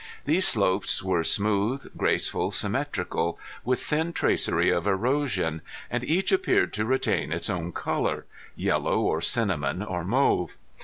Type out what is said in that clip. These slopes were smooth, graceful, symmetrical, with tiny tracery of erosion, and each appeared to retain its own color, yellow or cinnamon or mauve.